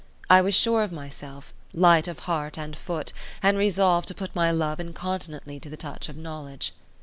I was sure of myself, light of heart and foot, and resolved to put my love incontinently to the touch of knowledge.